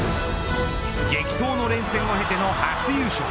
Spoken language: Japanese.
激闘の連戦を経ての初優勝。